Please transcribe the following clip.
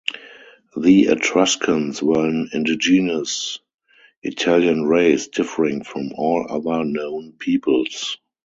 The Etruscans were an indigenous Italian race, differing from all other known peoples.